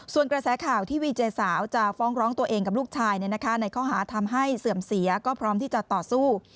ส่วนกระแสข่าวที่วีเจสาวจะฟ้องร้องตัวเองกับลูกชายในข้อหาทำให้เสื่อมเสียก็พร้อมที่จะต่อสู้